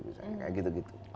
misalnya kayak gitu gitu